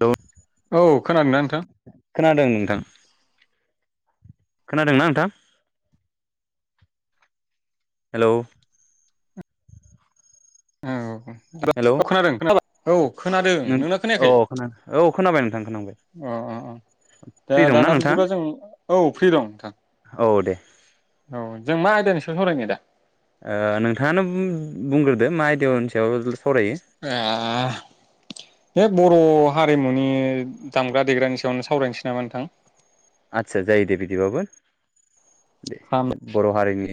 Hello औ खोनादोंना नोंथां? खोनादों नोंथां। खोनादोंना नोंथां? हेलौ बि हेलौ खोनादों खोन औ खोनादों नों नोंना औ खोनायाखै खोना औ खोनाबाय नोंथां खोनाबाय अ अ अ दा फ्रि दंना दाना बिदिबा नोंथाङा जों औ फ्रि दं नोंथां औ दे औ जों मा आयदानि सायाव सावरायनाय दा? ओ नोंथाङानो बुं-बुंग्रोदो मा आयदानि सायाव सावरायो आ बर' हारिमुनि दामग्रा देग्रानि सायावनो सावरायनोसै नामा नोंथां? आतसा जायो दे बिदि बाबो दे खाम बर' हारिनि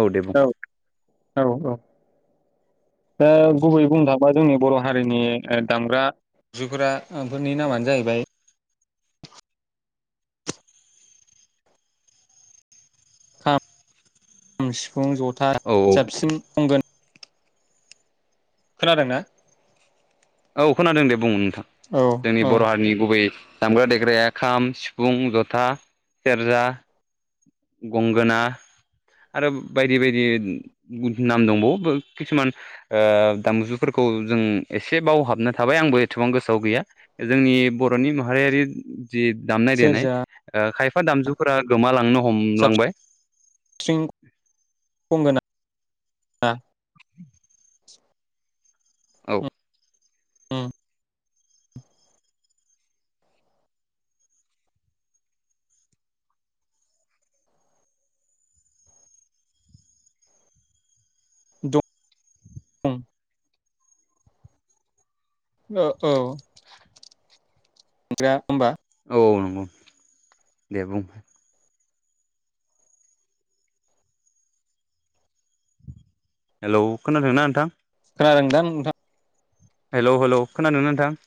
औ दे बुं। औ औ दा गुबैयै बुंनो थाबा जोंनि बर' हारिनि दामग्रा जुग्रा फोरनि नामानो जाहैबाय। हाब [unintelligible] फुं जथा औ औ साबसिन गंगोन खोनादों ना? औ खोनादों दे बुं। औ जोंनि औ बर' हारिनि गुबै दामग्रा देग्राया खाम सिफुं जथा सेरजा गंगोना आरो बायदि बायदि नाम दंबावो खिसुमान ओ दामजुफोरखौ जों एसे बावहाबनो थाबाय आंबो एसेबां गोसोआव गैया जोंनि बर'नि माहारियारि जि दामनाय देनाय सेरजा दा ओ खायफ दामजुफोरा गोमालांनो ह हमलांबाय बुंगोना आ [inaudible] औ उम द [unintelligible] ओ औ [unintelligible] होमबा औ नंगौ दे बुं हेलौ खोनादोंना नोंथां? खोनादों दा नोंथा? हेलौ हेलौ खोनादोंना नोंथां?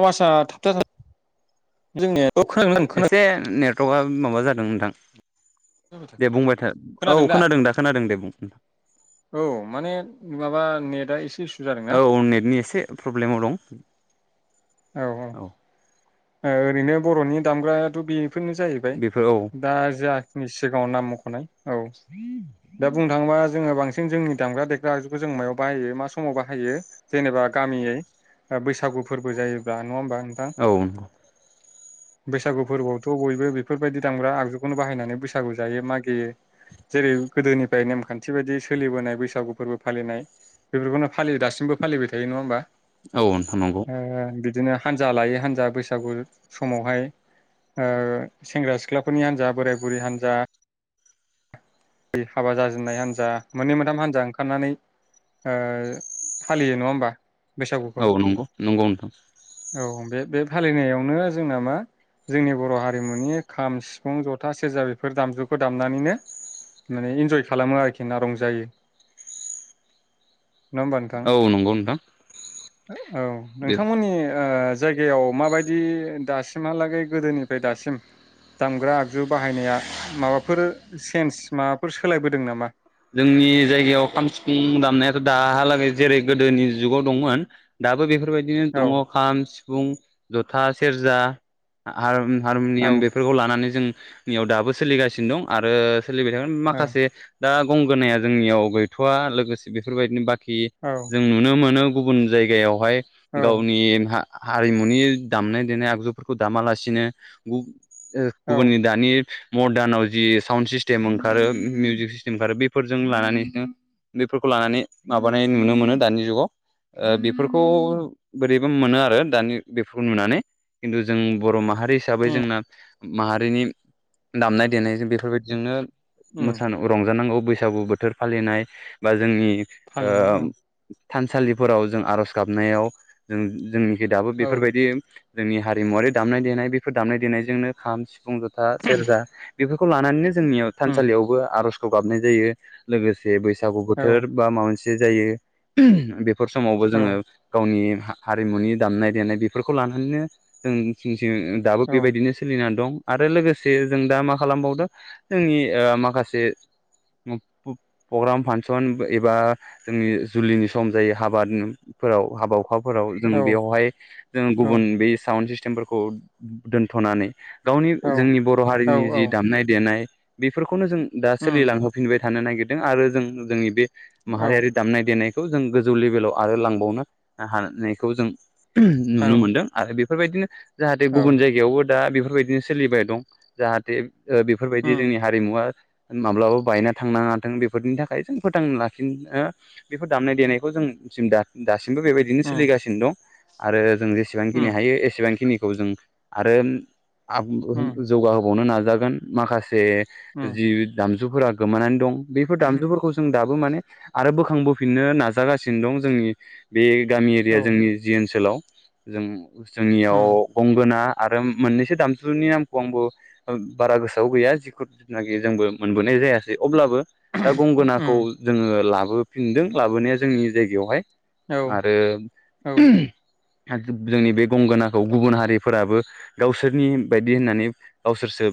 औ आसा थाबथा [unintelligible] जों [unintelligible] एसे ने टका माबा जादों नोंथां। खोनादों दे बुंबाय था औ खोनादों दा खोनादों दे बुं। औ माने माबा नेटआ एसे स औ नेटनि एसे प्रब्लेमाव दं। औ औ ओ ओरैनो बर'नि दामग्रायाथ' बे फोरनो जाहैबाय बेफोर औ दा जाखिनि सिगाङाव नाम मख'नाय औ दा बुंनो थाङोबा जोङो बांसिन जोंनि दामग्रा देग्रा आगजुखौ जों मायाव बाहायो मा समाव बाहायो जेनेबा गामियै ओ बैसागु फोरबो जायो ब्ला नङा होमबा? नोंथां औ बैसागु फोरबोआवथ' बयबो बेफोरबायदि दामग्रा आगजुखौनो बाहायनानै बैसागु जायो मागियो जेरै गोदोनिफ्राय नेमखान्थि बायदि सोलिबोनाय बैसागु फोरबो फालिनाय बेफोरखौनो फालियो दासिमबो फालिबाय थायो नङा होमबा? औ [unintelligible] नंगौ। दिनो हानजा लायो हानजा बैसागु समावहाय ओ सेंग्रा सिख्लाफोरनि हान्जा बोराय बुरि हान्जा [unintelligible] हाबा जाजेननाय हान्जा मोननै मोनथाम हानजा ओंखारनानै ओ फालियो नङा होमबा? बैसागुखौ औ नंगौ नंगौ नोंथां। औ बे बे फालिनायावनो जोंना मा जोंनि बर' हारिमुनि खाम, सिफुं, जथा, सेरजा बेफोर दामजुखौ दामनानैनो माने इन्जय खालामो आरोखि ना रंजायो। नङा होमबा नोंथां औ नंगौ नोंथां। [inaudible] औ दे नोंथांमोननि ओ जायगायाव माबायदि दासिमहालागै गोदोनि फाय दासिम दामग्रा आगजु बाहायनाया माबाफोर सेन्स माबाफोर सोलायबोदों नामा? जोंनि जायगायाव खाम, सिफुं दामनायाथ' दाहालागै जेरै गोदोनि जुगाव दंमोन दाबो बेब फोरबायदिनो औ दङ खाम, सि फुं जथा सेरजा आरोम औ हारमुनियाम बेफोरखौ लानानै जों नियाव दाबो सोलिगासिनो दं आरो सोलिबाय थागोन औ माखासे दा गंगोनाया जोंनियाव गैथ'वा लोगोसे बेफोरबायदिनो बा कि जों औ नुनो मोनो गुबुन जायगायावहाय औ गावनि हा हारिमुनि दामनाय देनाय आगजुफोरखौ दामालासिनो गुब ओ औ गुबुननि दानि मर्दानाव जि साउन सि टेम ओंखारो मिउजि सिम ओंखारो बेफोरजों लानानै बेफोरखौ लानानै माबानाय नुनो मोनो दानि जुगाव ओ बेफोरखौ बोरैबा मोनो आरो दानि बेफोरखौ नुनानै खिन्थु जों बर' माहारि रि हिसाबै उम जोंना माहारिनि दामनाय देनायजों बेफोरबायदिजोंनो उम मोसान' रंजानांगौ बैसागु बोथोर फालिनाय बा जोंनि फालिनाय औ ओ थानसालिफोराव जों आर'ज गाबनायाव जों जोंनि दाबो औ बेफोरबायदि जोंनि हारिमुवारि दामनाय देनाय बेफोर दामनाय देनायजोंनो खाम सि फुं ज'था सेरजा बेफोर लानानै जोंनियाव उम थानसालियावबो आरज खौ गाबनाय जायो लोगोस जे बैसागु औ बोथोर बा मा मोनसे। जे जायो बेब फोर समावबो औ जोङो गावनि। हा हारिमुनि दामनाय देनाय बेफोरखौ लानानैनो जों थिं थिं दाबो औ बेबायदिनो सोलिना दं। आरो लोगोसे जों दा मा खालामबावदों जोंनि ओ माखासे। प प्रग्राम फांसन एबा जोंनि जुलिनि सम जायो हाबाफोराव हाबाव। हखाफोराव जों औ बेयावहाय जों गुबुन बे सावन सिस सिमफोरखौ दोनथनानै गावनि औ जोंनि बर औ हारिनि औ जि दामनाय देनाय बेफोरखौनो जों उम सोलिलांयो फिनबाय। थानो नागिरदों आरो जों जोंनि बे। औ माहारियारि दामनाय देनाय बेखौ जों गोजौ लेभेलाव आरो लांबावनो हानायखौ जों। औ नुनो मोनदों आरो बे। बेफोरबायदिनो। जाहाथे औ गुबुन जायगायावबो। दा बेफोरबायदिनो सोलिबाय दं जाहाथे। बेफोरबायदि उम जोंनि हारिमुवा। माब्लाबा बायना थांनाङाथों बेफोरनि थाखाय जों फोथांना लाखिनो बेफोर दामनाय देनायखौ जोंसिम दासिम। बो बेबायदिनो उम सोलिगासिनो दं। आरो जों जेसेबांखिनि उम हायो एसेबांखिनि। खौ जों आरो। खाबुंखौ उम जौगाहोबावनो नाजादों। जागोन माखासे। जे उम जि दामजुफोरा गोमानानै। दं बेफोर दामजुफोरखौ जों दाब। माने आरो बोखांबोफिननो नाजागासिनो दं जोंनि बे। गामि औ एरिया जोंनि जि ओनसोलाव। जों जोंनियाव उम गंगोना आरो मोननैसो दामजुनि नामखौ आंबो बारा गोसोआव गैया जिु जनाखि जोंबो मोनबोनाय जायासै अब्लाबो दा गंगोनाखौ उम जोंङो लाबो लाबोफिनदों लाबोनाया जोंनि जायगायावहाय औ आरो औ [unintelligible] जोंनि बे गंगोनाखौ गुबुन हारिफोराबो गावसोरनि बायदि होननानै गावसोरसो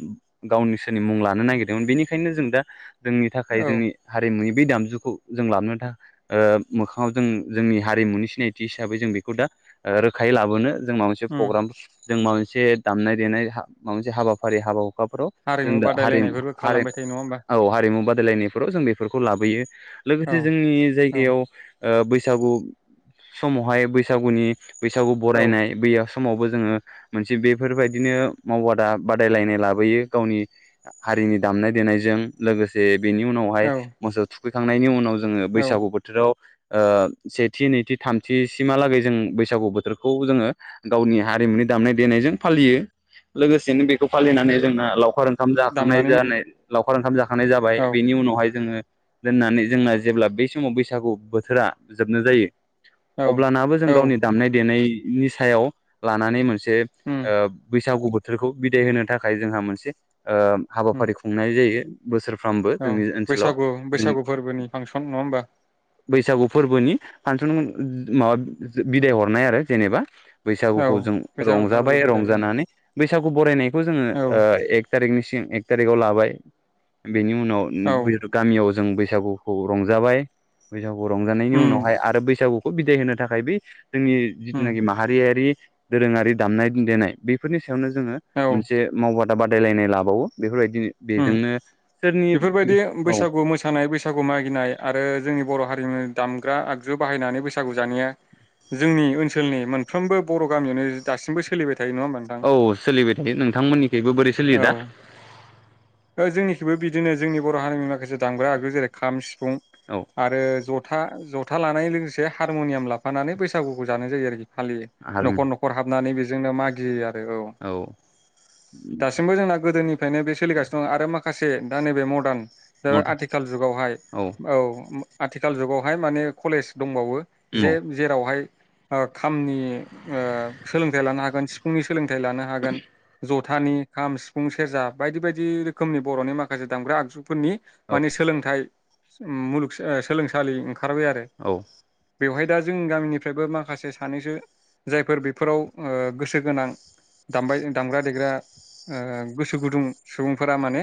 गावनिसोरनि मुं लानो नागिरदोंमोन बिनिनो ओंखायनो जों दा जोंनि थाखाय औ जोंनि हारिमुनि बे दामजुखौ जों लाबोन थाखाय ओ मोखाङाव जों जोंनि हारिमुनि सिनायथि हिसाबै जों बेखौ दा ओ रोखायै लाबोनो जों माब मोनसे उम प्रग्राम जों माब मोनसे दामनाय देनाय माबा मोनसे हाबाफारि हाबा जों दा हारिमु हरिमु दैे नङा होमबा हारिमु बादायलायनायफोराव जों बेफोरखौ लाबोयो औ लोगोसे जोंनि औ जायगायाव ओ बैसागु समावहाय बैसागुनि बैसागु बरायनाय औ बैया समावबो जोङो मोनसे बेफोरबायदिनो मावबादा बादायलायनाय लाबोयो गावनि हारिनि दामनाय देनायजों लोगोसे बेनि उनावहाय औ मोसौ फैखांनायनि उनाव जोङो औ बैसागु बोथोराव सेथि नैथि थामथि सिमहालागै जों बैसागु बोथोरखौ जोङो गावनि हारिमुनि दामनाय देनायजों फालियो लोगोसेनो बेखौ फालिनानै जोंना लावखार ओंखाम जाखांनाय दामनानै जानाय लावखार ओंखाम जाखांनानै थानाय जाबाय औ बेनि उनावहाय जोङो दोननानै जोंना जेब्ला बेै समाव बैसागु बोथोरा जोबनो जायो औ अब्लानाबो जों औ गावनि दामनाय देनाय नि सायाव लानानै मोनसे उम नों बैसागु बोथोरखौ बिदाय होनो थाखाय जोंहा मोनसे उम हाबाफारिखौ जायो बोसोर औ बैसागु बैसागु फोरबोनि फांसन नङा होमबा बैसागु फोरबोनि फांसन माबा बिदाय हरनाय आरो जेनेबा औ बैसागुखौ जों बैसागु फोरबो रंजाबाय बिदाय ओं रंजानानै बैसागु बरायनाय बे खौ जोङो औ एक तारिकनिसिगां एकतारिखआव ला बाय बेनि उनाव उम औ बै गामियाव जों बैसागुखौ रंजाबाय बैसागु रंजानायनि उम उनावहाय आरो बैसागु खौ बिदाय होनो थाखाय बै जोंनि उम जिथुनाखि माहारियारि दोरोङारि दामनाय देनाय बेफोरनि सायावनो जोङो औ मोनसे मावबा दायलायनाय लाबावो बेफोरबायदिनो उम बेजोंनो बेफोरबायदि सोरनि औ बैसागु मोसानाय बैसागु मागिनाय आरो जोंनि बर' हारिमु दामग्रा आगजु बाहायनानै बैसागु जानाया जोंनि ओनसोलनि मोनफ्रोमबो बर' गामियावनो दासिमबो सोलिबाय थायो नङा होमबा नोंथां औ सोलिबाय थायो नोंथांमोननिखैबो बोरै सिलियोदा? ओ जोंनिखैबो बिदिनो जोंनि बर' हारिनि माखासे दामग्रा आगु जेरै खाम सि फुं औ आरो ज था जथा लानाय लोगोसे हारम'नियाम लाफानानै बैसागुखौ जानाय जायो आरोखि। फालियो हारिमु न'खर न'खर हाबनानै बे जोंनो मागियो आरो औ दासिमबो जोंना गोदोनिफ्रायनो बे सोलिगासिनो। आरो माखासे दा नैबे मर्दान बे आथिखाल जुगावहाय औ। आथिखाल जुगावहाय माने कलेज दंबावो जे औ जेरावहाय ओ खामनि ओ सोलोंथाइ लानो हागोन सिफुंनि सोलोंथाइ लानो हागोन ज थानि, खाम, सिफुं, सेरजा बायदि बाय दि रोखोमनि बर'नि माखासे दामग्रा आगजुफोरनि माने सोलोंथाय मुलुग सोलोंसालि ओंखारबाय आरो औ औ बेवहाय दा जोंनि गामिनिफ्रायबो माखासे सानैसो जायफोर बेफोराव गोसो गोनां दामबाय दामग्रा देग्रा गोसो गुदुं सुबुंफोरा माने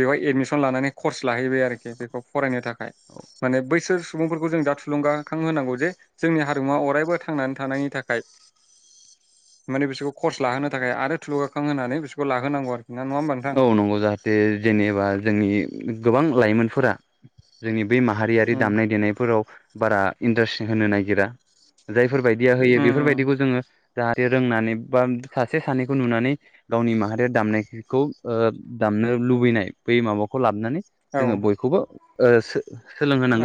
बेवाय एडमिसन लानानै कर्स लाहैबाय आरोखि बेखौ फरायनो था खाय माने बैसोर सुबुंफोरखौ जों दा थुलुंगाखां होनांगौ जे जोंनि हारिमुवा अरायबो थांनानै थानायनि थाखाय माने बिसोरखौ कर्स लाहोनो थाखाय आरो थुलुंगाखां होनानै बिसोरखौ लाहोनांगौ आरो। नङा होमबा नोंथां? औ नंगौ जाहाथे जेनेबा जोंनि गोबां लाइमोनफोरा जोंनि बे माहारियारि उम दामनाय देनायफोराव बारा इन्ट्रेस्ट होनो नागिरा जायफोरबायदिया होयो उम उम बेफोरबायदिखौ जोङो जाहाथे रोंनानै बा सासे सानैखौ नुनानै गावनि माहारिया दामनाय खौ दामनो लुबैनाय बै माबाखौ लाबोनानै औ जोङो बयखौबो ओ सो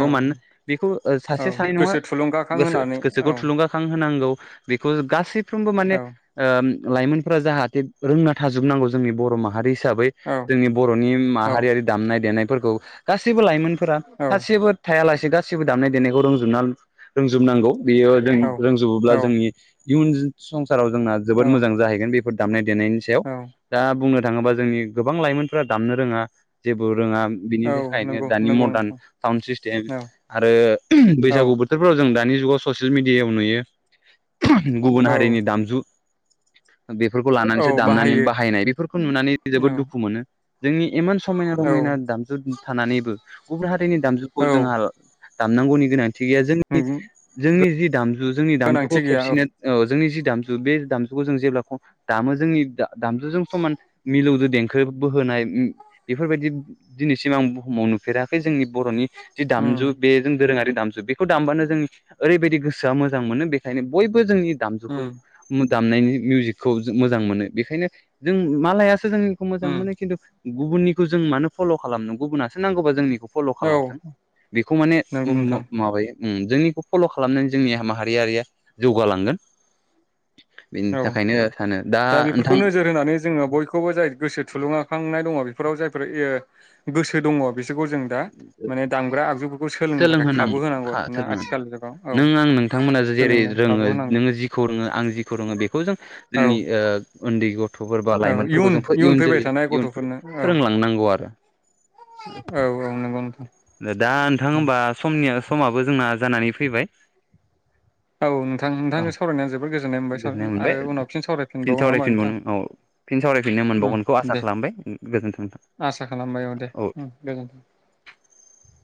औ मानोना बेखौ औ सासे सानै नङा गोसो थुलुंगाखां गोसो होनानै गोसोखौ औ थुलुंगाखां होनांगौ बिखौ गासै फ्रोमबो माने औ ओ लाइमोनफोरा जाहाथे रोंना थाजोबनांगौ जोंनि बर' माहारि हिसाबै औ जोंनि बर'नि औ माहारियारि दामनाय देनाय फोरखौ गासैबो लाइमोन फोरा औ सासेबो थायालासि गासिबो दामनाय देनायखौ रोंजोब रोंजोबनांगौ बेयो रोंजोबोब्ला औ जोंनि इयुन ज सं साराव जोंना जोबोद औ मोजां जाहैगोन बे दामनाय दे देनायनि सायाव औ दा बुंनो थाङोबा जोंनि गोबां लाइमोनफोरा दामनो रोङा जेबो रोङा बिनि औ थाखायनो नंगौ दानि नंगौ मदार्न नोंथां साउन्ड सिस्टेम औ आरो औ बैसागु बोथोराव जों दानि जुगाव ससियेल मिडियायाव नुयो गुबुन औ हारिनि दामजु बेफोरखौ औ लानानैसो दामनानै बाहायो बाहायनाय बेफोर खौ नुनानै औ जोबोद दुखु मोनो जोंनि इमान समायना औ रमायना दामजु थानानैबो हाथायनि दामजुखौ औ जोंहा दामनांगौनि गोनांथि थि गैया जोंनि -जोंनि जि दामजु जोंनि दामजुखौ गोनांथि गैया खेबसेनो औ जोंनि जि दामजु बे दामजुखौ जों जेब्ला दामो जोंनि दामजुजों समान मिलौदो देंखो बोहोनाय बेफोरबायदि दिनैसिम आं बुहुमाव नुफेराखै जोंनि बर'नि जि उम दामजु बेजों दोरोङारि दामजु बेखौ दामबानो जोंनि ओरैबायदि गोसोआ मोजां मोनो बेनिखायनो बयबो जोंनि दामजुखौ उम [unintelligible] दामनायनि मिउजिकखौ मोजां मोनो बेखायनो जों मालाय जोंखौ मोजां उम मोनो खिन्थु गुबुननिखौ जों मानो फल' खालामदों गुबुसो नांगौबा जोंनिखौ फल' औ खालामथों बेखौ उम माने नंगौ नोंथां माबायो उम जोंनिखौ फल' खालामनानै जोंनि माहारियारिया जौगालांगोन । बेनि औ थाखायनो सानो दा नोंथां बेफोरखौ नोजोर होनानै जोङो बयखौबो जाय गोसो थुलुंगाखांनाय दङ बेफोराव जायफोर ओ गोसो दङ बि सोलोंनो थाखाय खाबु सोलोंहांगौ होनांगौ आरोखि ना -सोलोंहांगौ आथिखाल जुगाव औ नों आं नोंथांमोना जेरै सोलोंनो रोङो खाबु होनांगौ नोङो जिखौ रोङो आं जिखौ रों बेखौ जों औ जोंनि ओ उन्दै ग थ'फोर बा औ लाइमोनफोरखौ जों इयुन फैबाय जोलै थानाय इयुन गथ'फोरनो औ फोरोंलांनांगौ आरो । औ- औ नोंगौ नोंथां । दा नोंथां होमबा सम नि समाबो जोंना जानानै फैबाय औ नोंथां औ नोंथांजों सावरायनाय जोबोर गोजो गोजोननाय मोनबाय फिन नामा नोंथां सावरायफिनबावनो नों औ फिन सावरायफिननो मोनबावगोनखौ उम आसा दे खालामबाय आसा खालामबाय दे गोजोनथों औ उम गोजोन्थों। ।